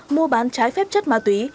mua bán trái phép chất ma túy